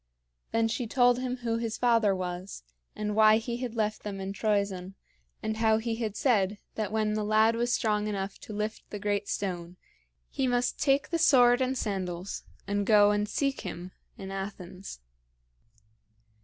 Then she told him who his father was, and why he had left them in Troezen, and how he had said that when the lad was strong enough to lift the great stone, he must take the sword and sandals and go and seek him in Athens.